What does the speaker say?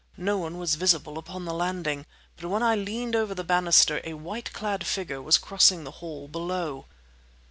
No one was visible upon the landing, but when I leaned over the banister a white clad figure was crossing the hall, below.